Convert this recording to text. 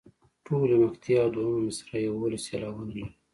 ټولې مقطعې او دوهمه مصرع یوولس سېلابونه لري.